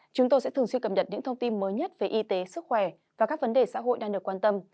chúng tôi sẽ thường xuyên cập nhật những thông tin mới nhất về y tế sức khỏe và các vấn đề xã hội đang được quan tâm